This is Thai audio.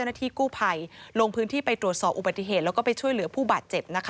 น้ีที่กู้ไภลงพื้นที่ไปตรวจสอบอุปถเทศ